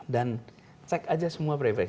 dan cek saja semua proyek proyek